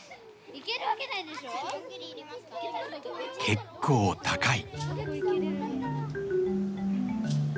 結構高い。